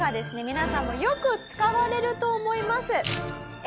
皆さんもよく使われると思います。